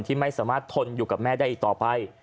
ที่ไม่สามารถทนอยู่กับแม่ได้อีกต่อไป